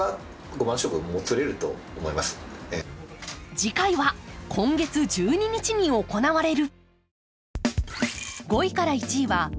次回は今月１２日に行われる。